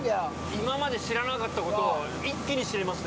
今まで知らなかったこと、一気に知れますね。